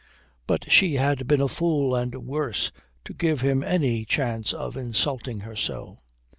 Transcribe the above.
But she had been a fool and worse to give him any chance of insulting her so.